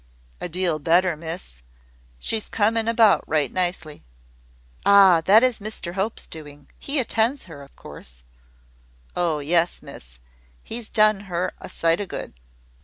"A deal better, Miss. She's coming about right nicely!" "Ah! that is Mr Hope's doing. He attends her, of course." "Oh, yes, Miss; he's done her a sight o' good."